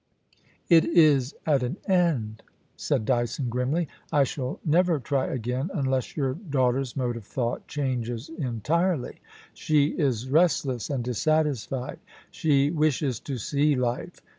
' It is at an end,' said Dyson, grimly. * I shall never try again unless your daughter's mode of thought changes en tirely. She is restless and dissatisfied. She wishes to see life.